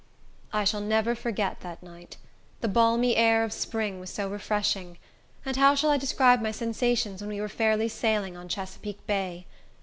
I shall never forget that night. The balmy air of spring was so refreshing! And how shall I describe my sensations when we were fairly sailing on Chesapeake Bay?